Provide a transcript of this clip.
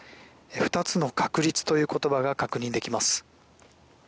二つの確立という言葉が確認できます。